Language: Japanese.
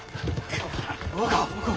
若！